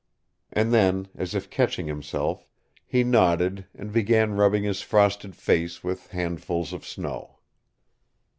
And then, as if catching himself, he nodded, and began rubbing his frosted face with handfuls of snow.